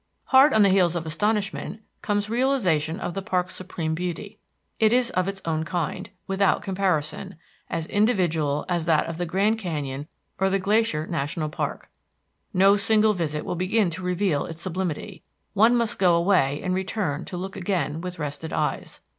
Hard on the heels of astonishment comes realization of the park's supreme beauty. It is of its own kind, without comparison, as individual as that of the Grand Canyon or the Glacier National Park. No single visit will begin to reveal its sublimity; one must go away and return to look again with rested eyes.